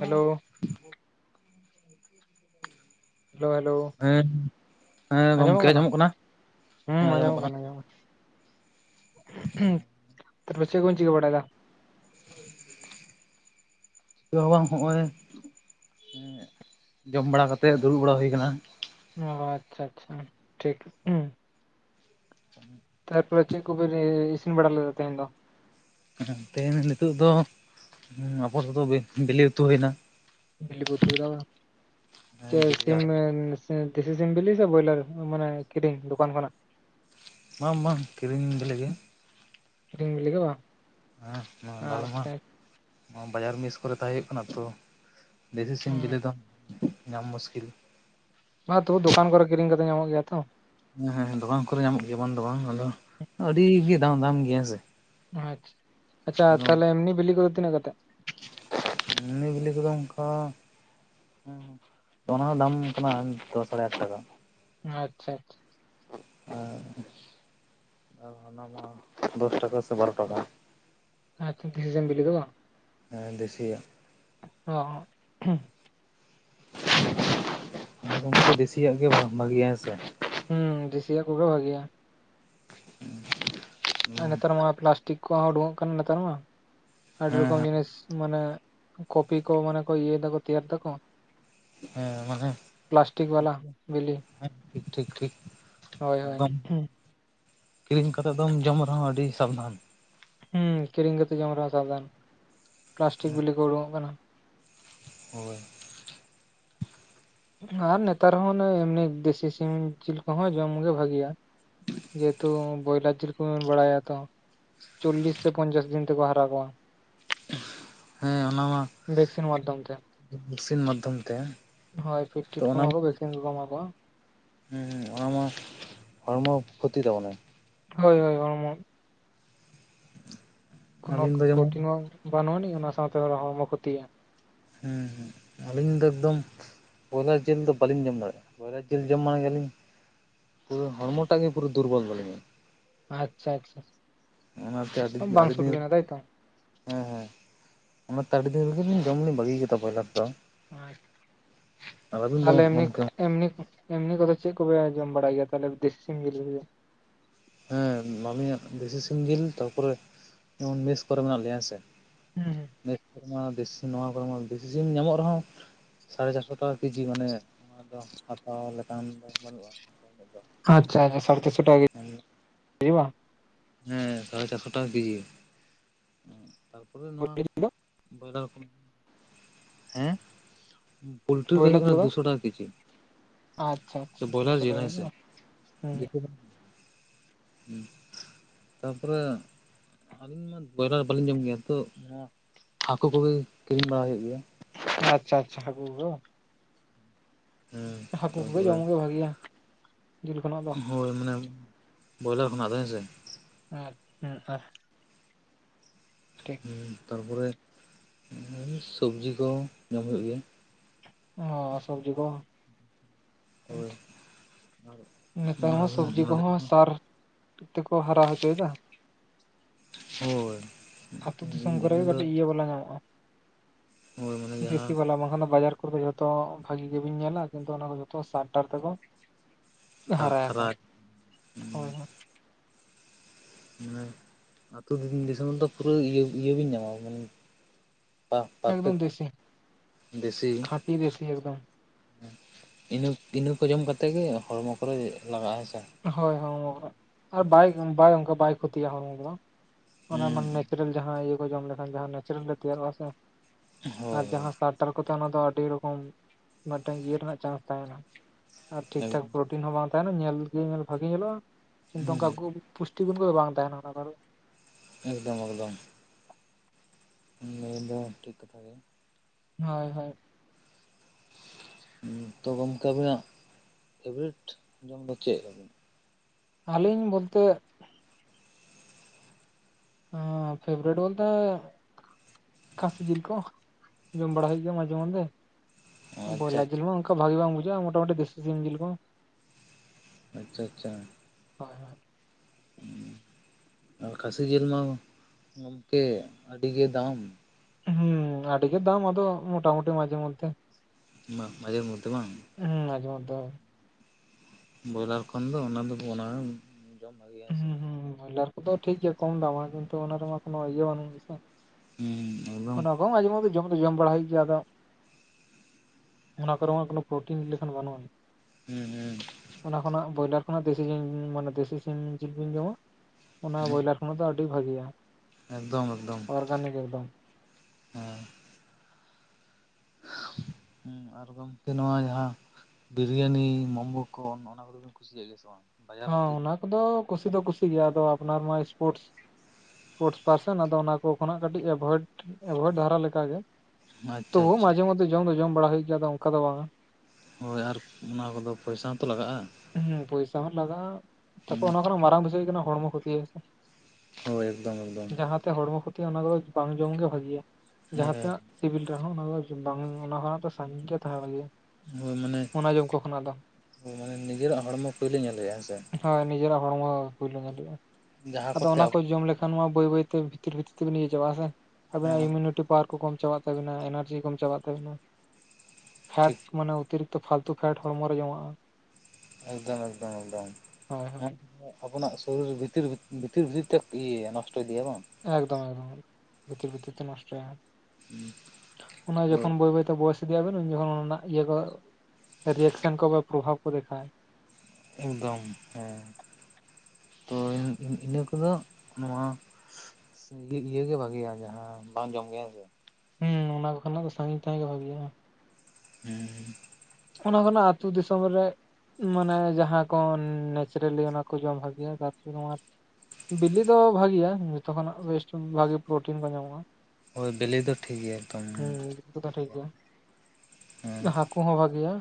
Hello hello hello ᱦᱮᱸ ᱦᱮᱸ ᱜᱚᱝᱠᱮ ᱟᱸᱡᱚᱢᱚᱜ ᱠᱟᱱᱟ ᱦᱮᱸ ᱟᱸᱡᱚᱢᱚᱜ ᱠᱟᱱᱟ ᱟᱸᱡᱚᱢᱚᱜ ᱦᱩᱜ ᱩ ᱛᱟᱨᱯᱚᱨ ᱪᱮᱜ ᱵᱮᱱ ᱪᱤᱠᱟᱹ ᱵᱟᱲᱟᱭᱫᱟ ᱪᱤᱠᱟᱹ ᱦᱚ ᱵᱟᱝ ᱦᱚᱜᱼᱚᱭ ᱡᱚᱢ ᱵᱟᱲᱟ ᱠᱟᱛᱮ ᱫᱩᱲᱩᱵ ᱵᱟᱲᱟ ᱦᱩᱭ ᱠᱟᱱᱟ ᱚ ᱟᱪᱪᱷᱟ ᱟᱪᱪᱷᱟ ᱴᱷᱤᱠ ᱦᱩᱸ ᱦᱮᱸ ᱛᱟᱨᱯᱚᱨᱮ ᱪᱮᱫ ᱠᱚᱵᱤᱱ ᱤᱥᱤᱱ ᱵᱟᱲᱟ ᱞᱮᱫᱟ ᱛᱮᱦᱮᱧ ᱫᱚ ᱦᱮ ᱛᱮᱦᱮᱧ ᱱᱤᱛᱚᱜ ᱫᱚ ᱟᱵᱚ [unintelligible] ᱵᱮᱞᱮ ᱩᱛᱩ ᱦᱩᱭᱱᱟ ᱵᱮᱞᱮ ᱯᱮ ᱩᱛᱩ ᱠᱮᱫᱟ ᱵᱟᱝ ᱪᱮᱫ ᱵᱤᱞᱤ ᱥᱤᱢ ᱟᱨ ᱮ ᱫᱮᱥᱤ ᱥᱤᱢ ᱵᱤᱞᱤ ᱥᱮ ᱵᱚᱭᱞᱟᱨ ᱢᱟᱱᱮ ᱠᱤᱨᱤᱧ ᱫᱚᱠᱟᱱ ᱠᱷᱚᱱᱟᱜ ᱵᱟᱝ ᱵᱟᱝ ᱠᱤᱨᱤᱧ ᱵᱮᱞᱮ ᱜᱮ ᱠᱤᱨᱤᱧ ᱵᱮᱞᱮ ᱜᱮ ᱵᱟᱝ ᱦᱮᱸ ᱱᱚᱣᱟ ᱜᱟᱞᱢᱟ ᱟᱪᱪᱷᱟ ᱱᱚᱣᱟ ᱵᱟᱡᱟᱨ ᱢᱮᱥ ᱠᱚᱨᱮ ᱛᱟᱦᱮᱸ ᱦᱩᱭᱩᱜ ᱠᱟᱱᱟ ᱛᱚ ᱫᱮᱥᱤ ᱥᱤᱢ ᱦᱩᱸ ᱵᱤᱞᱤ ᱫᱚ ᱧᱟᱢ ᱢᱩᱥᱠᱤᱞ ᱵᱟᱝ ᱛᱚᱵᱩ ᱫᱚᱠᱟᱱ ᱠᱚᱨᱮ ᱠᱤᱨᱤᱧ ᱠᱚᱛᱮ ᱧᱟᱢᱚᱜ ᱜᱮᱭᱟ ᱛᱚ ᱦᱮᱸ ᱦᱮᱸ ᱫᱚᱠᱟᱱ ᱠᱚᱨᱮ ᱧᱟᱢᱚᱜ ᱜᱮᱭᱟ ᱵᱟᱝ ᱫᱚ ᱵᱟᱝ ᱟᱫᱚ ᱟᱹᱰᱤ ᱜᱮ ᱫᱟᱢ ᱫᱟᱢ ᱜᱮᱭᱟ ᱦᱮᱸᱥᱮ ᱟᱪᱷᱟ ᱟᱪᱪᱷᱟ ᱛᱟᱦᱚᱞᱮ ᱮᱢᱱᱤ ᱵᱤᱞᱤ ᱠᱚᱫᱚ ᱛᱤᱱᱟᱹᱜ ᱠᱟᱛᱮ ᱮᱢᱱᱤ ᱵᱮᱞᱮ ᱠᱚᱫᱚ ᱚᱱᱠᱟ ᱚᱱᱟ ᱦᱚ ᱫᱟᱢ ᱠᱟᱱᱟ ᱛᱚ ᱥᱟᱲᱮ ᱟᱴ ᱴᱟᱠᱟ ᱟᱪᱪᱷᱟ ᱟᱪᱷᱟ ᱮᱫ ᱟᱨ ᱚᱱᱟᱢᱟ ᱫᱚᱥ ᱴᱟᱠᱟ ᱥᱮ ᱵᱟᱨᱚ ᱴᱟᱠᱟ ᱟᱪᱷᱟ ᱫᱮᱥᱤ ᱥᱤᱢ ᱵᱮᱞᱮ ᱫᱚ ᱵᱟᱝ ᱦᱮ ᱫᱮᱥᱤᱭᱟᱜ ᱚ ᱩ ᱜᱚᱝᱠᱮ ᱫᱮᱥᱤᱭᱟᱜ ᱜᱮ ᱵᱟ ᱵᱷᱟᱹᱜᱤᱭᱟ ᱦᱮᱸ ᱥᱮ ᱦᱩᱸ ᱫᱮᱥᱤᱭᱟᱜ ᱠᱚᱜᱮ ᱵᱷᱟᱜᱤᱭᱟ [unintelligible] ᱟᱨ ᱱᱮᱛᱟᱨ ᱢᱟ ᱯᱞᱟᱥᱴᱤᱠ ᱠᱚ ᱦᱚᱸ ᱩᱰᱩᱠᱚᱜ ᱠᱟᱱᱟ ᱱᱮᱛᱟᱨ ᱢᱟ ᱟᱹᱰᱤ ᱦᱮᱸ ᱨᱚᱠᱚᱢ ᱦᱮᱸ ᱡᱤᱱᱤᱥ ᱢᱟᱱᱮ, ᱠᱚᱯᱤ ᱠᱚ ᱢᱟᱱᱮ ᱠᱚ ᱤᱭᱟᱹ ᱫᱟᱠᱚ ᱛᱮᱭᱟᱨ ᱫᱟᱠᱚ, ᱦᱮᱸ ᱢᱟᱱᱮ ᱯᱞᱟᱥᱴᱤᱠ ᱵᱟᱞᱟ ᱵᱤᱞᱤ [unintelligible] ᱦᱮᱸ ᱴᱷᱤᱠ ᱴᱷᱤᱠ᱾ ᱦᱳᱭ ᱮᱠᱫᱚᱢ ᱦᱳᱭ ᱠᱤᱨᱤᱧ ᱠᱟᱛᱮᱫ ᱫᱚᱢ ᱡᱚᱢ ᱨᱮᱦᱚᱸ ᱟᱹᱰᱤ ᱥᱟᱵᱫᱷᱟᱱ᱾ ᱦᱩᱸ ᱠᱤᱨᱤᱧ ᱠᱟᱛᱮᱜ ᱡᱚᱢ ᱨᱮᱦᱚᱸ ᱥᱟᱵᱫᱷᱟᱱ ᱯᱞᱟᱥᱴᱤᱠ ᱵᱤᱞᱤ ᱠᱚ ᱩᱰᱩᱠᱚᱜ ᱠᱟᱱᱟ᱾ ᱦᱳᱭ ᱟᱨ ᱱᱮᱛᱟᱨ ᱦᱚᱸ ᱚᱱᱮ ᱮᱢᱱᱤ ᱫᱮᱥᱤ ᱥᱤᱢ ᱡᱤᱞ ᱠᱚᱦᱚᱸ ᱡᱚᱢᱜ ᱜᱮ ᱵᱷᱟᱜᱤᱭᱟ᱾ ᱡᱮᱦᱮᱛᱩ ᱵᱚᱭᱞᱟᱨ ᱡᱤᱞ ᱠᱚ ᱢᱮᱱ ᱵᱟᱲᱟᱭᱟ ᱛᱚ? ᱪᱚᱞᱞᱤᱥ ᱥᱮ ᱯᱚᱧᱪᱟᱥ ᱫᱤᱱ ᱛᱮᱠᱚ ᱦᱟᱨᱟ ᱠᱚᱣᱟ᱾ ᱦᱮᱸ ᱚᱱᱟ ᱢᱟ ᱵᱷᱮᱠᱥᱤᱱ ᱢᱟᱫᱽᱫᱷᱚᱢ ᱛᱮ ᱵᱷᱤᱠᱥᱤᱱ ᱢᱟᱫᱽᱫᱷᱚᱢ ᱛᱮ᱾ ᱦᱳᱭ ᱯᱷᱤᱠ ᱴᱷᱤᱴ ᱠᱚ ᱮᱢᱟ ᱠᱚᱣᱟ ᱠᱚᱣᱟ ᱵᱷᱮᱠᱥᱤᱱ ᱠᱚ ᱠᱚ ᱮᱢᱟ ᱠᱚᱣᱟ᱾ ᱦᱩᱸ ᱚᱱᱟ ᱢᱟ ᱦᱚᱲᱢᱚ ᱠᱷᱚᱛᱤ ᱛᱟᱵᱚᱱᱟᱭ᱾ ᱦᱳᱭ ᱦᱳᱭ ᱦᱚᱲᱢᱚ ᱠᱳᱱᱳ ᱟᱹᱞᱤᱧ ᱫᱚ ᱡᱮᱢᱚᱱ ᱯᱨᱳᱚᱴᱤᱱ ᱢᱟ ᱵᱟᱹᱱᱩᱜ ᱟᱹᱱᱤᱡ ᱚᱱᱟ ᱥᱟᱶᱛᱮ ᱟᱨᱚ ᱦᱚᱲᱢᱚ ᱠᱷᱩᱛᱤᱭᱟ᱾ ᱦᱩᱸ ᱦᱩᱸ ᱟᱹᱞᱤᱧ ᱫᱚ ᱮᱠᱫᱚᱢ, ᱵᱚᱭᱞᱟᱨ ᱡᱤᱞ ᱫᱚ ᱵᱟᱹᱞᱤᱧ ᱡᱚᱢ ᱫᱟᱲᱮᱭᱟᱜᱼᱟ᱾ ᱵᱚᱭᱞᱟᱨ ᱡᱤᱞ ᱡᱚᱢ ᱢᱟᱱᱮ ᱜᱮ‌ ᱞᱤᱧ, ᱯᱩᱨᱟᱹ ᱦᱚᱲᱢᱚ ᱴᱟᱜ ᱜᱮ ᱯᱩᱨᱟᱹ ᱫᱩᱨᱵᱚᱞ ᱛᱟᱞᱤᱧᱟ᱾ ᱟᱪᱪᱷᱟ ᱟᱪᱷᱟ ᱚᱱᱟᱛᱮ ᱟᱹᱰᱤ ᱵᱟᱝ ᱟᱹᱰᱤ ᱥᱩᱴ ᱫᱤᱱ ᱵᱮᱱᱟ ᱛᱟᱭᱛᱚ? ᱦᱮᱸ ᱦᱮᱸ ᱚᱱᱟ ᱛᱮ ᱟᱰᱤᱫᱤᱱ ᱨᱮᱜᱮᱞᱤᱧ ᱡᱚᱢᱞᱤᱧ ᱵᱟᱹᱜᱤ ᱟᱠᱟᱫᱟ ᱵᱚᱭᱞᱟᱨ ᱫᱚ᱾ ᱟᱨ ᱟᱹᱵᱤᱱ ᱫᱚ ᱛᱟᱞᱮ ᱮᱢᱱᱤ ᱜᱚᱢᱠᱮ ᱮᱢᱱᱤ ᱮᱢᱱᱤ ᱠᱚᱫᱚ ᱪᱮᱫ ᱠᱚᱯᱮ ᱡᱚᱢ ᱵᱟᱲᱟᱭ ᱜᱮᱭᱟ ᱛᱟᱦᱚᱞᱮ ᱫᱮᱥᱤ ᱥᱤᱢ ᱡᱤᱞ ᱥᱮᱪᱮᱫ? ᱦᱮᱸ ᱵᱷᱟᱞᱤ ᱧᱚᱜ ᱫᱮᱥᱤ ᱥᱤᱢ ᱡᱤᱞ ᱛᱟᱨᱯᱚᱨᱮ ᱩᱸ ᱢᱮᱥ ᱠᱚᱨᱮ ᱢᱮᱱᱟᱜ ᱞᱮᱭᱟ ᱦᱮᱸ ᱥᱮ? ᱢᱮᱥ ᱠᱚᱨᱮ ᱢᱟ ᱫᱮᱥᱤ ᱥᱤᱢ ᱱᱚᱣᱟ ᱠᱚᱨᱮ ᱧᱟᱢᱚᱜ ᱨᱮᱦᱚ, ᱥᱟᱲᱮ ᱪᱟᱨᱥᱚ ᱴᱟᱠᱟ ᱠᱮᱡᱤ ᱢᱟᱱᱮ ᱚᱱᱟ ᱫᱚ ᱦᱟᱛᱟᱣ ᱞᱮᱠᱷᱟᱱ ᱫᱚ ᱵᱟᱹᱱᱩᱜᱼᱟ᱾ ᱩᱱᱟᱹᱜ ᱫᱚ ᱟᱪᱪᱷᱟ ᱟᱪᱪᱷᱟ ᱥᱟᱲᱮ ᱪᱟᱥ ᱥᱚ ᱴᱟᱠᱟ ᱠᱮᱡᱤ ᱵᱟᱝ? ᱦᱮᱸ ᱥᱟᱲᱮ ᱪᱟᱨᱥᱚ ᱴᱟᱠᱟ ᱠᱮᱡᱤ᱾ ᱛᱟᱨᱯᱚᱨᱮ ᱱᱚᱣᱟ [unintelligible] ᱦᱮᱸ ᱯᱳᱞᱴᱨᱤ ᱫᱚ ᱵᱚᱭᱞᱟᱨ ᱦᱩᱭᱩᱜ ᱡᱤᱞ ᱠᱟᱱᱟ ᱫᱩᱥᱚ ᱴᱟᱠᱟ ᱠᱮᱡᱤ᱾ ᱟᱪᱪᱷᱟ ᱟᱪᱪᱷᱟ ᱵᱚᱭᱞᱟᱨ ᱫᱩᱥᱚ ᱴᱟᱠᱟ ᱡᱮᱞ ᱠᱮᱡᱤ ᱦᱮᱸᱥᱮ ᱵᱟᱝ ᱦᱩᱸ ᱫᱤᱠᱩ ᱫᱚ ᱛᱟᱯᱚᱨᱮ ᱟᱹᱞᱤᱧ ᱢᱟ ᱵᱚᱭᱞᱟᱨ ᱵᱟᱞᱤᱧ ᱡᱚᱢ ᱜᱮᱭᱟ ᱛᱳᱜ ᱱᱚᱣᱟ ᱦᱟᱹᱠᱳ ᱠᱚᱜᱮ ᱠᱤᱨᱤᱧ ᱵᱟᱲᱟ ᱦᱳᱭᱳᱜ ᱜᱮᱭᱟ᱾ ᱟᱪᱪᱷᱟ ᱟᱪᱪᱷᱟ ᱦᱟᱠᱳ ᱠᱚᱜᱮ ᱵᱟᱝ? ᱦᱮᱸ ᱦᱟᱹᱠᱳ ᱠᱚᱜᱮ ᱛᱟᱨᱯᱚᱨᱮ ᱡᱚᱢ ᱜᱮ ᱵᱷᱟᱜᱮᱭᱟ ᱡᱤᱞ ᱠᱷᱚᱱᱟᱜ ᱫᱚ᱾ ᱦᱳᱭ ᱢᱟᱱᱮ ᱵᱚᱭᱞᱟᱨ ᱠᱷᱚᱱᱟᱜ ᱫᱚ ᱦᱮᱸᱥᱮ᱾ [unintelligible] ᱴᱷᱤᱠ ᱦᱩᱸ ᱛᱟᱨᱯᱚᱨᱮ ᱥᱚᱵᱡᱤ ᱠᱚ ᱡᱚᱢ ᱦᱳᱭᱳᱜ ᱜᱮᱭᱟ᱾ ᱚ ᱥᱚᱵᱡᱤ ᱠᱚ ᱦᱳᱭ ᱟᱨ ᱱᱮᱛᱟᱨ ᱢᱟ ᱥᱚᱵᱡᱤ ᱱᱚᱰᱮ ᱠᱚᱦᱚᱸ ᱥᱟᱨ ᱛᱮᱠᱚ ᱦᱟᱨᱟ ᱦᱚᱪᱚᱭᱮᱫᱟ᱾ ᱦᱳᱭ ᱟᱹᱛᱳ ᱫᱤᱥᱚᱢ ᱠᱚᱨᱮ ᱤᱱᱟᱹ ᱜᱮ ᱫᱚ ᱠᱟᱹᱴᱤᱡ ᱤᱭᱟᱹ ᱵᱟᱞᱟ ᱧᱟᱢᱚᱜᱼᱟ, ᱦᱳᱭ ᱢᱟᱱᱮ ᱫᱮᱥᱤ ᱡᱟᱦᱟᱸ ᱵᱟᱞᱟ ᱵᱟᱝᱠᱷᱟᱱ ᱫᱚ ᱵᱟᱡᱟᱨ ᱠᱚᱫᱚ ᱡᱷᱚᱛᱚ ᱵᱷᱟᱜᱤ ᱜᱮᱵᱤᱱ ᱧᱮᱞᱟ ᱠᱤᱱᱛᱩ ᱚᱱᱟ ᱠᱚ ᱡᱷᱚᱛᱚ ᱥᱟᱨᱴᱟᱨ ᱛᱮᱠᱚ, ᱦᱟᱨᱟ ᱦᱟᱨᱟᱭᱟᱠᱚ ᱦᱳᱭ ᱦᱳᱭ᱾ ᱢᱟᱱᱮ ᱟᱹᱛᱩ ᱫᱤ ᱫᱤᱥᱚᱢ ᱨᱮᱫᱚ ᱯᱩᱨᱟᱹ ᱤᱭᱟᱹ ᱤᱭᱟᱹ ᱵᱤᱱ ᱧᱟᱢᱟ ᱢᱟᱱᱮ, ᱯᱟ ᱮᱠᱫᱚᱢ ᱯᱟᱨᱯᱷᱮᱠᱴ ᱫᱮᱥᱤ ᱫᱮᱥᱤ, ᱠᱷᱟᱹᱴᱤ ᱫᱮᱥᱤ ᱮᱠᱫᱚᱢ ᱤᱱᱟᱹ ᱤᱱᱟᱹ ᱠᱚ ᱡᱚᱢ ᱠᱟᱛᱮ ᱜᱮ ᱦᱚᱲᱢᱚ ᱠᱚᱨᱮ ᱞᱟᱜᱟᱜᱼᱟ ᱦᱮᱸᱥᱮ᱾ ᱦᱳᱭ ᱦᱚᱲᱢᱚ ᱠᱚᱨᱮᱜ ᱵᱟᱭ ᱵᱟᱭ ᱚᱝᱠᱟ ᱵᱟᱭ ᱠᱷᱚᱛᱤᱭᱟ ᱦᱚᱲᱢᱚ ᱠᱚ ᱵᱟᱝ ᱚᱱᱟ ᱢᱟ ᱦᱩᱸ ᱱᱮᱪᱟ ᱡᱮᱞ ᱡᱟᱸᱦᱟ ᱤᱭᱟᱹ ᱠᱚ ᱡᱚᱢ ᱞᱮᱠᱷᱟᱡ ᱜᱮ ᱦᱟᱜ ᱱᱮᱪᱟᱨᱮᱞ ᱨᱮ ᱛᱮᱭᱟᱨᱚᱜᱼᱟ ᱥᱮ ᱦᱳᱭ ᱟᱨ ᱦᱳᱭ ᱡᱟᱦᱟᱸ ᱥᱟᱨ ᱱᱮᱛᱟᱨ ᱠᱚᱛᱮ ᱚᱱᱟ ᱫᱚ ᱟᱹᱰᱤ ᱨᱚᱠᱚᱢ ᱢᱤᱜᱴᱮᱱ ᱤᱭᱟᱹ ᱨᱮᱱᱟᱜ ᱪᱟᱱᱥ ᱛᱟᱦᱮᱱᱟ ᱟᱨ ᱴᱷᱤᱠ ᱮᱠᱫᱚᱢ ᱴᱷᱟᱠ ᱯᱨᱳᱴᱤᱱ ᱦᱚᱸ ᱵᱟᱝ ᱛᱟᱦᱮᱱᱟ ᱧᱮᱞ ᱜᱮ ᱧᱮᱞ ᱵᱷᱟᱜᱮ ᱧᱮᱞᱚᱜᱼᱟ ᱠᱤᱱᱛᱩ ᱚᱝᱠᱟ ᱠᱩ ᱯᱩᱥᱴᱤ ᱜᱩᱱ ᱠᱚᱫᱚ ᱵᱟᱝ ᱛᱟᱦᱮᱱᱟ ᱚᱱᱟ ᱠᱚᱨᱮ ᱮᱠᱫᱚᱢ ᱮᱠᱫᱚᱢ ᱞᱟᱹᱭ ᱫᱚ ᱴᱷᱤᱠ ᱠᱟᱛᱷᱟ ᱜᱮ ᱦᱳᱭ ᱦᱳᱭ ᱛᱚ ᱜᱚᱢᱠᱮ ᱟᱵᱤᱱᱟᱜ ᱯᱷᱮᱵᱨᱮᱴ ᱡᱚᱢ ᱫᱚ ᱪᱮᱜ ᱛᱟᱵᱤᱱ ᱟᱹᱞᱤᱧ ᱵᱚᱞᱛᱮ ᱟᱸ ᱯᱷᱮᱵᱨᱮᱴ ᱵᱚᱞᱛᱮ ᱠᱷᱟᱥᱤ ᱡᱤᱞ ᱠᱚ ᱡᱚᱢ ᱵᱟᱲᱟ ᱦᱩᱭᱩᱜ ᱜᱮᱭᱟ ᱢᱟᱡᱷᱮ ᱢᱚᱫᱽᱫᱷᱮ ᱟᱪᱪᱷᱟ ᱵᱚᱭᱞᱟᱨ ᱡᱤᱞᱢᱟ ᱚᱝᱠᱟ ᱵᱷᱟᱜᱮ ᱵᱟᱝ ᱵᱩᱡᱟᱹᱜᱼᱟ ᱢᱳᱴᱟᱢᱩᱴᱤ ᱫᱮᱥᱤ ᱥᱤᱢ ᱡᱤᱞ ᱠᱚ ᱟᱪᱪᱷᱟ ᱟᱪᱪᱷᱟ ᱦᱳᱭ ᱦᱳᱭ ᱟᱨ ᱠᱷᱟᱹᱥᱤ ᱡᱤᱞ ᱢᱟ ᱜᱚᱢᱠᱮ ᱟᱹᱰᱤ ᱜᱮ ᱫᱟᱢ ᱦᱩᱸ ᱟᱹᱰᱤ ᱜᱮ ᱫᱟᱢ ᱟᱫᱚ ᱢᱳᱴᱟᱢᱩᱴᱤ ᱢᱟᱡᱷᱮ ᱢᱚᱫᱽᱫᱷᱮ ᱢᱟᱜ ᱢᱟᱡᱷᱮ ᱢᱚᱫᱽᱫᱷᱮ ᱵᱟᱝ ᱦᱩᱸ ᱢᱟᱡᱷᱮ ᱢᱚᱫᱽᱫᱷᱮ ᱵᱚᱭᱞᱟᱨ ᱠᱷᱚᱱ ᱫᱚ ᱚᱱᱟ ᱫᱚ ᱚᱱᱟ ᱡᱚᱢ ᱵᱷᱟᱜᱮᱭᱟ ᱦᱮᱸᱥᱮ ᱦᱩᱸ ᱦᱩᱸ ᱵᱚᱭᱞᱟᱨ ᱠᱚᱫᱚ ᱴᱷᱤᱠ ᱜᱮᱭᱟ ᱠᱚᱢ ᱫᱟᱢᱟ ᱠᱤᱱᱛᱩ ᱚᱱᱟ ᱨᱮᱢᱟ ᱠᱳᱱᱳ ᱤᱭᱟᱹ ᱵᱟᱹᱱᱩᱜ ᱜᱮᱥᱮ ᱦᱩᱸ ᱮᱠᱫᱚᱢ ᱦᱚᱭ ᱢᱟᱡᱷᱮ ᱢᱚᱫᱽᱫᱷᱮ ᱡᱚᱢ ᱫᱚ ᱡᱚᱢ ᱵᱟᱲᱟᱭ ᱦᱩᱭᱩᱜ ᱜᱮᱭᱟ ᱟᱫᱚ ᱚᱱᱟ ᱠᱚᱨᱮ ᱢᱟ ᱠᱳᱱᱳ ᱯᱨᱳᱴᱤᱱ ᱞᱮᱠᱟᱱ ᱵᱟᱹᱱᱩᱜᱼᱟ ᱱᱤᱡ ᱦᱩᱸ ᱦᱩᱸ ᱚᱱᱟ ᱠᱷᱚᱱᱟᱜ ᱵᱚᱭᱞᱟᱨ ᱠᱷᱚᱱᱟᱜ ᱫᱮᱥᱤ ᱥᱤᱢ ᱵᱤᱱ ᱢᱟᱱᱮ ᱫᱮᱥᱤ ᱥᱤᱢ ᱡᱤᱞ ᱵᱤᱱ ᱡᱚᱢᱟ ᱚᱱᱟ ᱵᱚᱭᱞᱟᱨ ᱠᱷᱚᱱᱟᱜ ᱫᱚ ᱟᱹᱰᱤ ᱵᱷᱟᱹᱜᱮᱭᱟ᱾ ᱮᱠᱫᱚᱢ ᱮᱠᱫᱚᱢ ᱦᱮᱸ [inaudible] ᱟᱨ ᱜᱚᱝᱠᱮ ᱱᱚᱣᱟ ᱡᱟᱦᱟᱸ ᱵᱤᱨᱤᱭᱟᱱᱤ ᱢᱳᱢᱳ ᱠᱚ ᱱᱚᱱᱟ ᱠᱚᱫᱚᱵᱤᱱ ᱠᱩᱥᱤᱭᱟᱜ ᱜᱮᱭᱟ ᱥᱮ ᱵᱟᱝ? ᱵᱟᱡᱟᱨ ᱦᱚᱸ ᱨᱮ ᱚᱱᱟ ᱠᱚᱫᱚ ᱠᱩᱥᱤ ᱫᱚ ᱠᱩᱥᱤ ᱜᱤ ᱟᱫᱚ ᱟᱯᱱᱟᱨ ᱢᱟ [unintelligible] [unintelligible] ᱯᱟᱨᱥᱮᱱ ᱟᱫᱚ ᱚᱱᱟ ᱠᱚ ᱠᱷᱚᱱᱟᱜ ᱠᱟᱹᱴᱤᱡ ᱮᱵᱷᱚᱭᱮᱰ ᱮᱵᱷᱚᱭᱮᱰ ᱫᱷᱟᱨᱟ ᱞᱮᱠᱟᱜᱮ ᱛᱚ ᱟᱪᱪᱷᱟ ᱟᱪᱪᱷᱟ ᱢᱟᱡᱷᱮ ᱢᱚᱫᱷᱮ ᱡᱚᱢ ᱫᱚ ᱡᱚᱢ ᱵᱟᱲᱟ ᱦᱩᱭᱩᱜ ᱜᱮᱭᱟ ᱟᱫᱚ ᱚᱱᱠᱟ ᱫᱚ ᱵᱟᱝᱟ ᱦᱳᱭ ᱟᱨ ᱚᱱᱟ ᱠᱚᱫᱚ ᱯᱚᱭᱥᱟ ᱦᱚᱸᱛᱚ ᱞᱟᱜᱟᱜ-ᱟ ᱦᱩᱸ ᱯᱚᱭᱥᱟ ᱦᱚᱸ ᱞᱟᱜᱟᱜ-ᱟ ᱛᱟᱯᱚᱨ ᱚᱱᱟ ᱠᱷᱚᱱᱟᱜ ᱢᱟᱨᱟᱝ ᱵᱤᱥᱚᱭ ᱠᱟᱱᱟ ᱦᱚᱲᱢᱚ ᱠᱷᱚᱛᱤᱭᱟ ᱦᱳᱭ ᱮᱠᱫᱚᱢ ᱮᱠᱫᱚᱢ ᱡᱟᱦᱟᱸᱛᱮ ᱦᱚᱲᱢᱚ ᱠᱷᱚᱛᱤ ᱭᱟ ᱚᱱᱟ ᱠᱚᱫᱚ ᱵᱟᱝ ᱡᱚᱢᱜᱮ ᱵᱷᱟᱜᱤᱭᱟ ᱡᱟᱦᱟᱸ ᱦᱮᱸ ᱛᱤᱱᱟᱹᱜ ᱥᱤᱵᱤᱞ ᱨᱮᱦᱚᱸ ᱚᱱᱟ ᱫᱚ ᱵᱟᱝ ᱚᱱᱟ ᱠᱷᱚᱱᱟᱜ ᱫᱚ ᱥᱟᱺᱜᱤᱧ ᱜᱮ ᱛᱟᱦᱮᱸ ᱰᱷᱟᱜᱮᱭᱟ᱾ ᱦᱳᱭ ᱢᱟᱱᱮ ᱢᱟᱱᱮ ᱱᱤᱡᱮᱨᱟᱜ ᱦᱚᱲᱢᱚ ᱯᱳᱭᱞᱳ ᱧᱮᱞ ᱦᱩᱭᱩᱜ-ᱟ ᱦᱮᱸᱥᱮ ᱦᱳᱭ ᱱᱤᱡᱮᱨᱟᱜ ᱦᱚᱲᱢᱚ ᱯᱳᱭᱞᱳ ᱧᱮᱞ ᱦᱩᱭᱩᱟ ᱡᱟᱦᱟᱸ ᱟᱫᱚ ᱠᱚᱛᱮ ᱚᱱᱟ ᱠᱚ ᱟᱵᱚ ᱡᱚᱢ ᱞᱮᱠᱷᱼ ᱠᱷᱟᱱ ᱢᱟ ᱵᱟᱹᱭ ᱵᱟᱹᱭᱛᱮ ᱵᱷᱤᱛᱤᱨ ᱵᱷᱤᱛᱤᱨ ᱛᱮᱵᱤᱱ ᱤᱭᱟᱹ ᱪᱟᱵᱟᱜ-ᱟ ᱥᱮ ᱦᱮᱸ ᱟᱵᱮᱱᱟᱜ ᱢᱟᱱᱮ ᱤᱢᱤᱭᱩᱱᱤᱴᱤ ᱯᱟᱨᱼ ᱠᱚ ᱠᱚᱢ ᱪᱟᱵᱟᱜ ᱛᱟᱵᱤᱱᱟ ᱮᱱᱟᱨᱡᱤ ᱠᱚᱢ ᱪᱟᱵᱟᱜ ᱛᱟᱵᱤᱱᱟ ᱯᱷᱮᱴ ᱴᱷᱤᱠ ᱢᱟᱱᱮ ᱚᱛᱤᱨᱤᱠ ᱛᱚ ᱯᱷᱟᱞᱛᱩ ᱯᱷᱮᱴ ᱦᱚᱲᱢᱚ ᱨᱮ ᱡᱚᱢᱟᱜ-ᱟ᱾ ᱮᱠᱫᱚᱢ ᱮᱠᱫᱚᱢ ᱮᱠᱫᱚᱢ ᱦᱳᱭ ᱦᱳᱭ ᱟᱵᱚᱱᱟᱜ ᱥᱚᱨᱤᱨ ᱵᱷᱤᱛᱤᱨ ᱵᱷᱤᱛ ᱵᱷᱤᱛᱤᱨ ᱵᱷᱤᱛᱤᱨ ᱛᱮ ᱤᱭᱟᱹ ᱭᱟ ᱱᱚᱥᱴᱚ ᱫᱤᱭᱟ ᱵᱟᱝ ᱮᱠᱫᱚᱢ ᱮᱠᱫᱚᱢ ᱵᱷᱤᱛᱤᱨ ᱵᱷᱤᱛᱤᱨ ᱛᱮ ᱱᱚᱥᱴ ᱭᱟ ᱚᱱᱟ ᱦᱳᱭ ᱡᱚᱠᱷᱚᱱ ᱵᱟᱹᱭ ᱵᱟᱹᱭᱛᱮ ᱵᱚᱭᱚᱥ ᱤᱫᱤ ᱟᱵᱮᱱ ᱩᱱ ᱡᱚᱠᱷᱚᱱ ᱚᱱᱟ ᱤᱭᱟᱹ ᱠᱚ ᱨᱤᱭᱮᱠᱥᱮᱱ ᱠᱚ ᱵᱟ ᱯᱨᱚᱵᱷᱟᱵᱽ ᱠᱚ ᱫᱮᱠᱷᱟ ᱟᱭ ᱮᱠᱫᱚᱢ ᱦᱮᱸ ᱛᱚ ᱤᱱᱟᱹ ᱠᱚᱫᱚ ᱱᱚᱣᱟ [unintelligible] ᱵᱷᱟᱜᱮᱭᱟ ᱡᱟᱦᱟᱸ ᱵᱟᱝ ᱡᱚᱢ ᱜᱮ ᱦᱮᱸ ᱥᱮ ᱦᱩᱸ ᱚᱱᱟᱠᱚ ᱠᱚᱱᱟᱜ ᱫᱚ ᱥᱟᱺᱟᱜᱤᱧ ᱛᱟᱦᱮᱸ ᱜᱮ ᱵᱷᱟᱹᱜᱤ ᱭᱟ᱾ ᱦᱮᱸ ᱦᱮᱸ ᱚᱱᱟ ᱠᱷᱚᱱᱟᱜ ᱟᱛᱩ ᱫᱤᱥᱚᱢ ᱨᱮ ᱢᱟᱱᱮ ᱡᱟᱦᱟᱸ ᱠᱚ ᱱᱮᱪᱨᱮᱞᱤ ᱚᱱᱟᱠᱚ ᱡᱚᱢ ᱵᱷᱟᱜᱤᱭᱟ ᱛᱟᱯᱚᱨᱮ ᱱᱚᱣᱟ ᱵᱤᱞᱤ ᱫᱚ ᱵᱷᱟᱜᱤᱭᱟ ᱡᱷᱚᱛᱚ ᱠᱷᱚᱱᱟᱜ ᱵᱮᱥᱴ ᱵᱷᱟᱜᱤ ᱯᱨᱚᱴᱤᱱ ᱠᱚ ᱧᱟᱢᱚᱜ-ᱟ ᱦᱳᱭ ᱵᱮᱞᱮ ᱫᱚ ᱴᱷᱤᱠ ᱜᱮᱭᱟ ᱮᱠᱫᱚᱢ ᱦᱩᱸ ᱦᱮᱸ ᱵᱤᱞᱤ ᱠᱚᱫᱚ ᱴᱷᱤᱠ ᱜᱮᱭᱟ᱾ ᱦᱟᱠᱳ ᱦᱚᱸ ᱵᱷᱟᱜᱤᱭᱟ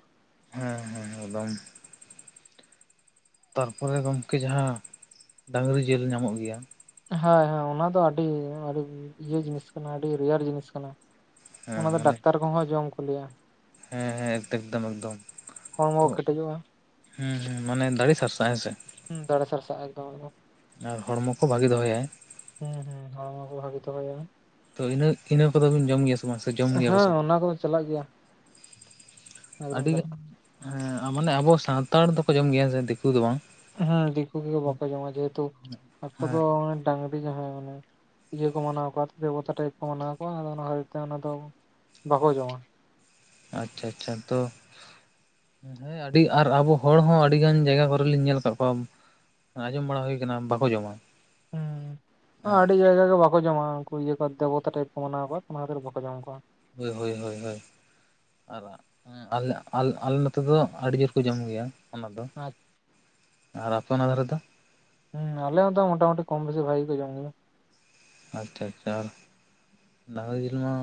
ᱦᱮᱸ ᱦᱮᱸ ᱦᱮᱸ ᱵᱟᱝ ᱛᱟᱨᱯᱚᱨᱮ ᱜᱚᱝᱠᱮ ᱡᱟᱦᱟᱸ ᱰᱟᱝᱨᱤ ᱡᱮᱞ ᱧᱟᱢᱚᱜ ᱜᱮᱭᱟ ᱦᱮᱸ ᱦᱮᱸ ᱚᱱᱟ ᱫᱚ ᱟᱰᱤ ᱟᱰᱤ ᱤᱭᱟᱹ ᱡᱤᱱᱤᱥ ᱠᱟᱱᱟ ᱟᱰᱤ ᱨᱮᱭᱟᱨ ᱡᱤᱱᱤᱥ ᱠᱟᱱᱟ ᱚᱱᱟ ᱦᱮᱸ ᱫᱚ ᱢᱟᱱᱮ ᱰᱟᱠᱛᱟᱨ ᱠᱚᱦᱚᱸ ᱡᱚᱢ ᱠᱚ ᱞᱟᱹᱭᱟ ᱦᱮᱸ ᱦᱮᱸ ᱮᱠᱫᱚᱢ ᱮᱠᱫᱚᱢ ᱦᱚᱲᱢᱚ ᱛᱚ ᱠᱚ ᱠᱮᱴᱮᱡᱚᱜᱼᱟ ᱦᱩᱸ ᱦᱩᱸ ᱢᱟᱱᱮ ᱫᱟᱲᱤ ᱥᱟᱨᱥᱟᱜ-ᱟ ᱦᱮᱸ ᱥᱮ ᱦᱩᱸ ᱫᱟᱲᱮ ᱥᱟᱨᱥᱟᱜ-ᱟ ᱮᱠᱫᱚᱢ ᱮᱠᱫᱚᱢ ᱟᱨ ᱦᱚᱲᱢᱚ ᱠᱚ ᱵᱷᱟᱜᱤ ᱫᱚᱦᱚᱭᱟᱭ ᱦᱩᱸ ᱦᱩᱸ ᱦᱚᱲᱢᱚ ᱠᱚ ᱵᱷᱟᱜᱤ ᱫᱚᱦᱚᱭᱟᱭ ᱛᱚ ᱤᱱᱟᱹ ᱤᱱᱟᱹ ᱠᱚᱫᱚᱵᱤᱱ ᱡᱚᱢ ᱜᱮᱭᱟ ᱥᱮ ᱵᱟᱝ ᱥᱮ ᱡᱚᱢ ᱜᱮᱭᱟ ᱠᱚ ᱥᱮ ᱵᱟᱝ [unintelligible] ᱪᱟᱞᱟᱜ ᱜᱮᱭᱟ ᱮᱠᱫᱚᱢ ᱪᱟᱞᱟᱜᱼᱟ ᱟᱰᱤᱜᱟᱱ ᱢᱟᱱᱮ ᱟᱵᱚ ᱥᱟᱱᱛᱟᱲ ᱫᱚᱠᱚ ᱡᱚᱢ ᱜᱮᱭᱟ ᱥᱮ ᱫᱤᱠᱩ ᱫᱚ ᱵᱟᱝ ᱦᱮᱸ ᱫᱤᱠᱩ ᱠᱚᱜᱮ ᱵᱟᱠᱚ ᱡᱚᱢᱟ ᱡᱮᱦᱮᱛᱩ ᱟᱠᱚ ᱦᱮᱸ ᱫᱚ ᱰᱟᱝᱨᱤ ᱡᱟᱦᱟᱸᱭ ᱢᱟᱱᱮ ᱤᱭᱟᱹ ᱠᱚ ᱢᱟᱱᱟᱣ ᱠᱚᱣᱟ ᱫᱮᱵᱚᱛᱟ ᱴᱟᱭᱤᱯ ᱠᱚ ᱢᱟᱱᱟᱣ ᱠᱚᱣᱟ ᱚᱱᱟ ᱠᱷᱟᱹᱛᱤᱨ ᱛᱮ ᱚᱱᱟ ᱫᱚ ᱵᱟᱠᱚ ᱡᱚᱢᱟ ᱟᱪᱪᱷᱟ ᱟᱪᱪᱷᱟ ᱛᱚ ᱦᱮᱸ ᱟᱹᱰᱤ ᱟᱨ ᱟᱵᱚ ᱦᱚᱲ ᱦᱚᱸ ᱟᱹᱰᱤ ᱜᱟᱱ ᱡᱟᱭᱜᱟ ᱠᱚᱨᱮᱞᱤᱧ ᱧᱮᱞ ᱠᱟᱫ ᱠᱚᱣᱟ ᱟᱸᱡᱚᱢ ᱵᱟᱲᱟ ᱦᱩᱭ ᱠᱟᱱᱟ ᱵᱟᱠᱚ ᱡᱚᱢᱟ ᱦᱩᱸ ᱟᱹᱰᱤ ᱡᱟᱭᱜᱟ ᱜᱮ ᱵᱟᱠ ᱠᱚ ᱡᱚᱢᱟ ᱩᱝᱠᱩ ᱤᱭᱟᱹ ᱠᱚ ᱫᱮᱵᱚᱛᱟ ᱴᱟᱭᱤᱯ ᱠᱚ ᱢᱟᱱᱟᱣ ᱠᱚᱣᱟ ᱚᱱᱟ ᱠᱷᱟᱹᱛᱤᱨ ᱵᱟᱠᱚ ᱡᱚᱢ ᱠᱚᱣᱟ ᱦᱳᱭ ᱦᱳᱭ ᱦᱳᱭ ᱦᱳᱭ ᱟᱨ ᱟᱞ ᱟᱞᱮ ᱱᱚᱛᱮ ᱫᱚ ᱟᱹᱰᱤ ᱡᱳᱨ ᱠᱚ ᱡᱚᱢ ᱜᱮᱭᱟ ᱚᱱᱟ ᱫᱚ ᱟᱼᱪᱷᱟ ᱟᱨ ᱟᱯᱮ ᱚᱱᱟ ᱫᱷᱟᱨᱮ ᱫᱚ ᱦᱩᱸ ᱟᱞᱮ ᱦᱚᱸᱛᱚ ᱢᱚᱴᱟᱟᱢᱩᱴᱤ ᱠᱚᱢ ᱵᱮᱥᱤ ᱵᱷᱟᱜᱤ ᱠᱚ ᱡᱚᱢ ᱜᱮᱭᱟ ᱟᱪᱪᱷᱟ ᱟᱪᱪᱷᱟ ᱟᱨ ᱰᱟᱝᱨᱤ ᱡᱤᱞ ᱢᱟ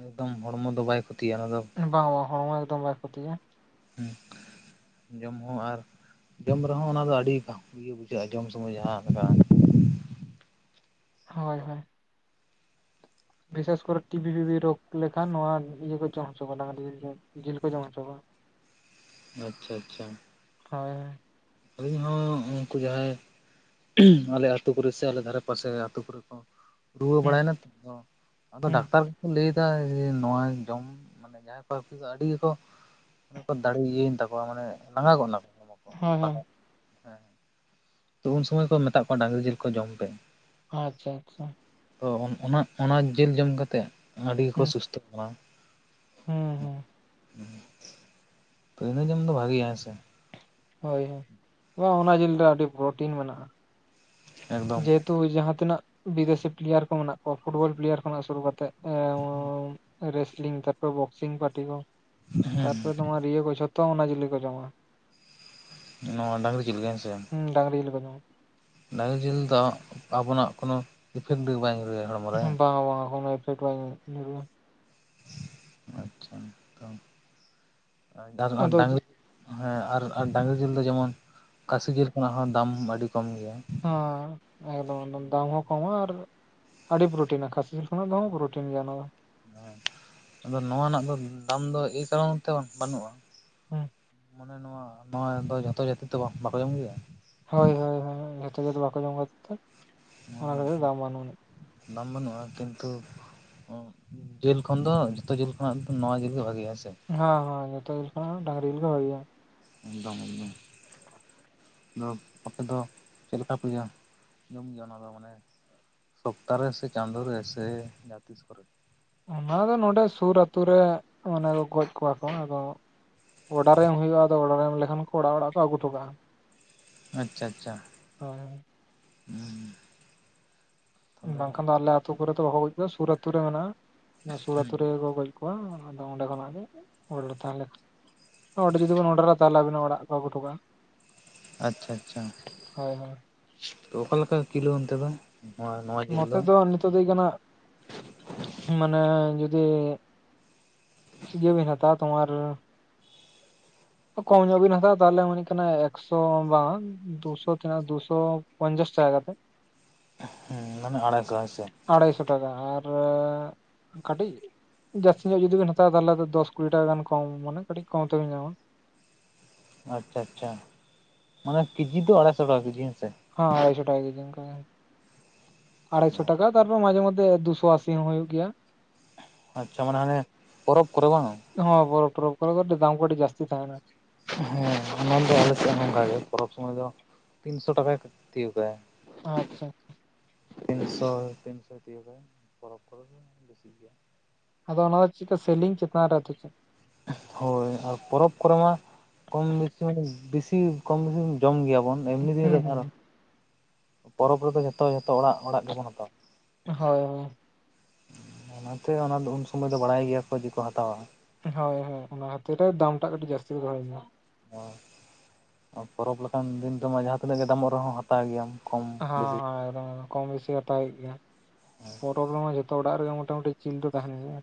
ᱮᱠᱫᱚᱢ ᱦᱚᱲᱢᱚ ᱫᱚ ᱵᱟᱭ ᱠᱷᱚᱛᱤ ᱜᱤᱭᱟ ᱚᱱᱟ ᱫᱚ ᱵᱟᱝ ᱦᱚᱲᱢᱚ ᱮᱠᱫᱚᱢ ᱵᱟᱭ ᱠᱷᱚᱛᱤᱜᱤᱭᱟ ᱦᱩᱸ ᱡᱚᱢ ᱦᱚᱸ ᱟᱨ ᱡᱚᱢ ᱨᱮᱦᱚᱸ ᱚᱱᱟᱫᱚ ᱟᱹᱰᱤ ᱤᱭᱟᱹ ᱵᱩᱡᱷᱟᱹᱜᱼᱟ ᱡᱚᱢ ᱥᱚᱢᱚᱭ ᱡᱟᱦᱟᱸ ᱞᱮᱠᱟ ᱦᱳᱭ ᱮᱠᱫᱚᱢ ᱦᱳᱭ ᱵᱤᱥᱮᱥ ᱠᱚᱨᱮ ᱴᱤᱵᱤ ᱵᱤᱵᱤ ᱨᱳᱜᱽ ᱞᱮᱹᱠᱷᱟᱱ ᱱᱚᱣᱟ ᱤᱭᱟᱹ ᱠᱚ ᱡᱚᱢ ᱦᱚᱪᱚ ᱠᱚᱣᱟ ᱰᱟᱹᱝᱨᱤ ᱡᱤᱞ ᱡᱤᱞ ᱠᱚ ᱡᱚᱢ ᱦᱚᱪᱚ ᱠᱚᱣᱟ ᱟᱪᱪᱷᱟ ᱟᱪᱪᱷᱟ ᱦᱚᱭ ᱟᱹᱞᱤᱧ ᱦᱚᱸ ᱩᱱᱠᱩ ᱡᱟᱦᱟᱸᱭ ᱟᱞᱮ ᱟᱹᱛᱩ ᱠᱚᱨᱮ ᱥᱮ ᱟᱞᱮ ᱫᱷᱟᱨᱮ ᱯᱟᱥᱮ ᱟᱹᱛᱩ ᱠᱚᱨᱮ ᱠᱚ ᱨᱩᱣᱟᱹ ᱦᱩᱸ ᱵᱟᱲᱟᱭᱱᱟ ᱛᱚ ᱟᱫᱚ ᱦᱩᱸ ᱰᱟᱠᱛᱟᱨ ᱠᱚᱠᱚ ᱞᱟᱹᱭ ᱪᱮᱫᱟᱜ ᱡᱮ ᱱᱚᱣᱟ ᱡᱚᱢ ᱢᱟᱹᱱᱮ ᱡᱟᱦᱟᱸᱭ ᱠᱚ ᱫᱚ ᱟᱹᱰᱤ ᱜᱮ ᱠᱚ ᱚᱱᱟ ᱠᱚ ᱫᱟᱲᱮ ᱤᱭᱟᱹᱭᱮᱱ ᱛᱟᱠᱚᱣᱟ ᱢᱟᱱᱮ ᱞᱟᱸᱜᱟ ᱜᱚᱫ ᱱᱟᱠᱚ ᱦᱚᱲᱢᱚ ᱠᱚ ᱦᱳᱭ ᱞᱟᱸᱜᱟ ᱦᱳᱭ ᱦᱮᱸ ᱛᱚ ᱩᱱ ᱥᱚᱢᱚᱭ ᱠᱚ ᱢᱮᱛᱟᱜ ᱠᱚᱣᱟ ᱰᱟᱹᱝᱨᱤ ᱡᱤᱞ ᱠᱚ ᱡᱚᱢ ᱯᱮ ᱟᱪᱪᱷᱟ ᱟᱪᱪᱷᱟ ᱛᱚ ᱚᱱᱟ ᱚᱱᱟ ᱡᱤᱞ ᱡᱚᱢ ᱠᱟᱛᱮᱫ ᱟᱹᱰᱤ ᱜᱮᱠᱚ ᱦᱩᱸ ᱥᱩᱥᱛᱷ ᱠᱟᱱᱟ ᱦᱩᱸ ᱦᱩᱸ ᱯᱳᱭᱞᱚ ᱡᱚᱢ ᱫᱚ ᱵᱷᱟᱜᱮᱭᱟ ᱦᱮᱸ ᱥᱮ ᱾ ᱦᱳᱭ ᱦᱳᱭ, ᱵᱟᱝ ᱚᱱᱟ ᱡᱤᱞ ᱨᱮ ᱟᱹᱰᱤ ᱯᱨᱚᱴᱤᱱ ᱢᱮᱱᱟᱜᱼᱟ ᱾ ᱮᱠᱫᱚᱢ ᱡᱮᱦᱮᱛᱩ ᱡᱟᱦᱟᱸ ᱛᱱᱟᱹᱜ ᱵᱤᱫᱮᱥᱤ ᱯᱞᱮᱭᱟᱨ ᱠᱚ ᱢᱮᱱᱟᱼᱜ ᱠᱚᱣᱟᱹ ᱯᱷᱩᱴᱵᱚᱞ ᱯᱞᱮᱭᱟᱨ ᱠᱷᱚᱱᱟᱜ ᱥᱩᱨᱩ ᱠᱟᱹᱛᱮᱫ ᱮᱸᱻ ᱨᱮᱥᱞᱤᱝ ᱛᱟᱨᱯᱚᱨᱮ ᱵᱚᱠᱥᱤᱝ ᱯᱟᱴᱤ ᱠᱚ ᱦᱩᱸ ᱛᱟᱨᱯᱚᱨᱮ ᱢᱟᱨ ᱤᱭᱟᱹ ᱠᱚ ᱡᱷᱚᱛᱚ ᱚᱱᱟ ᱡᱤᱞᱤ ᱠᱚ ᱡᱚᱢᱟ ᱾ ᱱᱚᱣᱟ ᱰᱟᱹᱝᱨᱤ ᱡᱤᱞ ᱜᱮ ᱦᱮᱸ ᱥᱮ ᱾ ᱦᱩᱸ ᱰᱟᱹᱝᱨᱤ ᱡᱤᱞ ᱠᱚ ᱡᱚᱢᱟ ᱾ ᱰᱝᱨᱤ ᱡᱤᱞ ᱫᱚ ᱟᱵᱚᱣᱟᱼᱜ ᱠᱳᱱᱳ ᱤᱯᱷᱮᱠᱴ ᱵᱟᱭ ᱧᱩᱨᱟᱹᱣᱟ ᱦᱚᱲ ᱵᱟᱝᱟ ᱵᱟᱝᱟ ᱠᱚᱱᱳ ᱮᱯᱷᱮᱠᱴ ᱵᱟᱭ ᱧᱩᱨᱩᱭᱼᱟ ᱾ ᱟᱪᱷᱟ, ᱛᱚ ᱰᱟ ᱟᱫᱚ ᱰᱟᱝᱨᱤ ᱦᱮᱸ ᱟᱨ ᱟᱨ ᱰᱟᱝᱨᱤ ᱡᱤᱞ ᱫᱚ ᱡᱮᱹᱢᱚᱱ ᱠᱟᱥᱤ ᱡᱤᱞ ᱠᱷᱚᱱᱟᱜ ᱦᱚᱸ ᱫᱟᱢ ᱟᱹᱰᱤ ᱠᱚᱢ ᱜᱮᱭᱟ ᱾ ᱦᱮᱸ ᱮᱠᱫᱚᱢ ᱮᱠᱫᱚᱢ ᱫᱟᱢ ᱦᱚᱸ ᱠᱚᱢ ᱟᱨ ᱟᱹᱰᱤ ᱯᱨᱳᱚᱴᱤᱱᱟ ᱠᱷᱟᱹᱥᱤ ᱡᱤᱞ ᱠᱷᱚᱱᱟᱜ ᱫᱚ ᱦᱟᱸᱜ ᱯᱨᱳᱚᱴᱤᱱ ᱜᱮᱭᱟ ᱚᱱᱟ ᱫᱚ ᱾ [unintelligible] ᱟᱫᱚ ᱱᱚᱣᱟ ᱨᱮᱱᱟᱜ ᱫᱚ ᱫᱟᱢ ᱫᱚ ᱮᱭ ᱠᱟᱨᱚᱱ ᱛᱮ ᱵᱟᱹᱱᱩᱜᱼᱟ ᱾ ᱦᱩᱸ ᱾ ᱢᱟᱹᱱᱮ ᱱᱚᱣᱟ ᱱᱚᱣᱟ ᱫᱚ ᱡᱷᱚᱛᱚ ᱡᱟᱹᱛᱤ ᱛᱚ ᱵᱟᱠᱚ ᱡᱚᱢ ᱜᱮᱭᱟ ᱾ ᱦᱳᱭ ᱦᱳᱭ ᱦᱳᱭ ᱡᱚᱛᱚ ᱡᱟᱹᱛ ᱵᱟᱹᱠᱚ ᱡᱚᱢ ᱠᱷᱟᱛᱤᱨ ᱛᱮ ᱾ [unintelligible] ᱫᱟᱢ ᱵᱟᱹᱱᱩᱜᱼᱟ ᱠᱤᱱᱸᱛᱩ ᱚ ᱡᱤᱞ ᱠᱷᱚᱱ ᱫᱚ ᱡᱚᱛᱚ ᱡᱤᱞ ᱠᱷᱚᱱᱟᱼᱜ ᱫᱚ ᱱᱚᱣᱟ ᱡᱤᱞ ᱜᱮ ᱵᱷᱟᱜᱤᱭᱟ ᱦᱮ ᱥᱮ ᱾ ᱦᱚᱸ ᱦᱚᱸ ᱡᱚᱛᱚ ᱡᱤᱞ ᱠᱚᱷᱚᱱᱟᱜ ᱰᱟᱝᱨᱤ ᱡᱤᱞ ᱜᱮ ᱵᱟᱹᱜᱤᱭᱟ ᱾ ᱮᱠᱫᱚᱢ ᱮᱠᱫᱚᱢ ᱾ ᱟᱫᱚ ᱟᱯᱮ ᱫᱚ ᱪᱮᱫ ᱞᱮᱠᱟᱹ ᱯᱮ [unintelligible] ᱡᱚᱢ ᱜᱮᱭᱟ ᱚᱱᱟ ᱫᱚ ᱢᱟᱹᱱᱮ ᱥᱚᱯᱛᱟᱨ ᱨᱮ ᱥᱮ ᱪᱟᱸᱫᱳ ᱨᱮ ᱥᱮ ᱡᱟᱦᱟᱸ ᱛᱤᱥ ᱠᱚᱨᱮ? ᱚᱱᱟ ᱫᱚ ᱱᱚᱰᱮ ᱥᱩᱨ ᱟᱛᱳ ᱨᱮ ᱢᱟᱹᱱᱮ ᱜᱚᱡ ᱠᱚᱣᱟ ᱠᱚ ᱟᱫᱚ ᱚᱰᱟᱨ ᱮᱢ ᱦᱩᱭᱩᱜᱼᱟ ᱟᱫᱚ ᱚᱰᱟᱨ ᱮᱢ ᱞᱮᱹᱠᱷᱟᱱ ᱠᱚ ᱚᱲᱟᱜ ᱚᱲᱟᱜ ᱠᱚ ᱟᱹᱜᱩᱚᱴᱚ ᱠᱟᱜᱼᱟ ᱾ ᱟᱪᱪᱷᱟ ᱟᱪᱪᱷᱟ ᱾ ᱦᱚᱭ ᱾ ᱛᱟᱦᱚᱞᱮ ᱵᱟᱝᱠᱷᱟᱱ ᱫᱚ ᱟᱞᱮ ᱟᱹᱛᱩ ᱠᱚᱨᱮ ᱫᱚ ᱵᱟᱠᱚ ᱜᱚᱡ ᱠᱚᱣᱟ ᱥᱩᱨ ᱟᱹᱛᱩ ᱨᱮ ᱢᱮᱱᱟᱜᱼᱟ, ᱥᱩᱨ ᱟᱹᱛᱩ ᱨᱮᱜᱮ ᱠᱚ ᱜᱚᱡ ᱟᱫᱚ ᱚᱸᱰᱮ ᱠᱷᱚᱱᱟᱜ ᱜᱮ ᱚᱰᱟᱨ ᱛᱟᱦᱮ ᱚᱸᱰᱮ ᱡᱩᱫᱤ ᱵᱤᱱ ᱚᱰᱟᱨᱟ ᱛᱟᱦᱞᱮ ᱟᱹᱵᱤᱱᱟᱜ ᱚᱲᱟᱜ ᱠᱚ ᱟᱜᱩ ᱦᱚᱴᱚ ᱠᱟᱜᱼᱟ ᱾ ᱟᱪᱪᱷᱟ ᱟᱪᱪᱷᱟ ᱦᱳᱭ ᱦᱳᱭ ᱾ ᱛᱚ ᱚᱠᱟᱞᱮᱠᱟ ᱠᱤᱞᱳ ᱚᱱᱛᱮ ᱫᱚ? ᱱᱚᱛᱮ ᱫᱚ ᱱᱤᱛᱚᱜ ᱫᱚ ᱦᱩᱭᱩᱜ ᱠᱟᱱᱟ, ᱢᱟᱱᱮ ᱡᱩᱫᱤ ᱤᱭᱟᱹ ᱵᱤᱱ ᱦᱟᱛᱟᱣᱟ ᱛᱳᱢᱟᱨ ᱠᱚᱢ ᱧᱚᱜ ᱵᱤᱱ ᱦᱟᱛᱟᱣᱟ ᱛᱟᱦᱚᱞᱮ ᱢᱚᱱᱮ ᱠᱟᱱᱟ ᱮᱠᱥᱚ ᱵᱟᱝ ᱫᱩᱥᱚ ᱛᱤᱱᱟᱹᱜ ᱫᱩᱥᱚ ᱯᱚᱧᱪᱟᱥ ᱴᱟᱠᱟ ᱠᱟᱛᱮᱫ ᱾ ᱦᱮᱸ ᱢᱟᱱᱮ ᱟᱲᱟᱭᱥᱚ ᱦᱚᱭ ᱥᱮ ᱾ ᱟᱲᱟᱭᱥᱚ ᱴᱟᱠᱟ ᱟᱨᱻ ᱠᱟᱹᱴᱤᱡ ᱡᱟᱹᱥᱛᱤ ᱧᱚᱜ ᱡᱩᱫᱤ ᱵᱮᱱ ᱦᱟᱛᱟᱣᱟ ᱛᱟᱦᱚᱞᱮ ᱫᱚ ᱫᱚᱥ ᱠᱩᱲᱤ ᱴᱟᱠᱟ ᱜᱟᱱ ᱠᱚᱢᱟ ᱢᱟᱱᱮ ᱠᱟᱹᱴᱤᱡ ᱠᱚᱢ ᱛᱮᱵᱮᱱ ᱧᱟᱢᱟ ᱾ ᱟᱪᱪᱷᱟ ᱟᱪᱪᱷᱟ, ᱢᱟᱱᱮ ᱠᱮᱡᱤ ᱫᱚ ᱟᱲᱟᱭᱥᱚ ᱴᱟᱠᱟ ᱠᱮᱡᱤ ᱦᱮᱸᱥᱮ ᱾ ᱦᱮ ᱟᱲᱟᱭᱥᱚ ᱴᱟᱠᱟ ᱠᱤᱡᱤ ᱚᱱᱠᱟ ᱜᱮ, ᱟᱲᱟᱭᱥᱚ ᱴᱟᱠᱟ ᱛᱟᱨᱯᱚᱨ ᱢᱟᱡᱷᱮ ᱢᱟᱫᱷᱮ ᱫᱩᱥᱚ ᱟᱥᱤ ᱥᱤ ᱦᱚᱸ ᱦᱩᱭᱩᱜ ᱜᱮᱭᱟ ᱾ ᱟᱪᱪᱷᱟ ᱢᱟᱱᱮ ᱦᱟᱱᱮ ᱯᱚᱨᱚᱵᱽ ᱠᱚᱨᱮ ᱵᱟᱝᱟ? ᱦᱚ ᱯᱚᱨᱚᱵᱽ ᱛᱚᱨᱚᱵ ᱠᱚᱨᱮ ᱠᱟᱹᱴᱤᱡ ᱫᱟᱢ ᱠᱚ ᱟᱹᱰᱤ ᱡᱟᱹᱥᱛᱤ ᱛᱟᱦᱮᱱᱟ ᱾ ᱦᱮᱸ ᱚᱱᱟ ᱫᱚ ᱟᱞᱮ ᱥᱮᱫ ᱚᱝᱠᱟᱜᱮ ᱾ᱯᱚᱨᱚᱵᱽ ᱥᱚᱢᱚᱭ ᱫᱚ ᱛᱤᱱᱥᱚ ᱴᱟᱠᱟᱭ ᱛᱤᱭᱚᱜᱟᱭ ᱾ ᱟᱪᱪᱷᱟ ᱾ ᱛᱤᱱᱥᱚ ᱛᱤᱱᱥᱚ ᱛᱤᱭᱳᱜᱟ ᱯᱚᱨᱚᱵᱽ ᱠᱚᱨᱮ ᱫᱚ ᱵᱮᱥᱤᱜ ᱜᱮᱭᱟ ᱾ ᱟᱫᱚ ᱚᱱᱟ ᱫᱚ ᱪᱤᱠᱟ ᱥᱮᱞᱤᱝ ᱪᱮᱛᱟᱱ ᱨᱮ ᱟᱫᱚ ᱪᱮᱜ ᱾ ᱦᱳᱭ, ᱟᱨ ᱯᱚᱨᱚᱵᱽ ᱠᱚᱨᱮ ᱢᱟ ᱠᱚᱢ ᱵᱮᱥᱤ ᱢᱟᱱᱮ ᱵᱤᱥᱤ ᱠᱚᱢ ᱵᱮᱥᱤ ᱡᱚᱢ ᱜᱮᱭᱟᱵᱚᱱ ᱾ ᱮᱢᱱᱤ ᱫᱤᱱ ᱦᱩᱸ ᱨᱮ ᱦᱩᱸ ᱟᱨ ᱯᱚᱨᱚᱵᱽ ᱨᱮᱫᱚ ᱡᱚᱛᱚ ᱡᱚᱛᱚ ᱚᱲᱟᱜ ᱚᱲᱟᱜ ᱜᱮᱵᱚᱱ ᱦᱟᱛᱟᱣᱟ ᱦᱳᱭ ᱚᱱᱟᱛᱮ ᱚᱱᱟ ᱫᱚ ᱩᱱ ᱥᱩᱢᱚᱭ ᱫᱚ ᱵᱟᱲᱟᱭ ᱜᱮᱭᱟ ᱠᱚ ᱡᱮᱠᱚ ᱦᱟᱛᱟᱣᱟ ᱦᱳᱭ ᱦᱳᱭ ᱚᱱᱟ ᱠᱷᱟᱹᱛᱤᱨ ᱨᱮ ᱫᱟᱢᱴᱟᱜ ᱠᱟᱹᱴᱤᱡ ᱡᱟᱹᱥᱛᱤ ᱫᱚᱦᱚᱭ ᱜᱮᱭᱟ ᱯᱚᱨᱚᱵᱽ ᱞᱮᱠᱟᱱ ᱫᱤᱱ ᱨᱮᱢᱟ ᱡᱟᱦᱟᱸ ᱛᱤᱱᱟᱹᱜ ᱜᱮ ᱫᱟᱢᱚᱜ ᱨᱮᱦᱚᱸ ᱦᱟᱛᱟᱣ ᱜᱮᱭᱟᱢ ᱠᱚᱢ ᱦᱟᱸ ᱵᱮᱥᱤ ᱦᱟᱸ ᱮᱠᱫᱚᱢ ᱠᱚᱢ ᱵᱮᱥᱤ ᱦᱟᱛᱟᱣ ᱦᱚᱭᱚᱜ ᱜᱮᱭᱟ ᱚᱲᱟᱜ ᱨᱮᱜᱮ ᱢᱚᱴᱟ ᱢᱩᱴᱤ ᱡᱤᱞ ᱫᱚ ᱛᱟᱦᱮᱱ ᱜᱮᱭᱟ